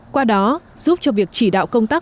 qua đó giúp cho việc chỉ đạo công tác